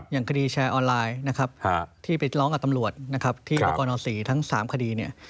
อย่างคดีแชร์ออนไลน์นะครับที่ไปร้องกับตำรวจที่ออกรณ์อศรีทั้ง๓คดี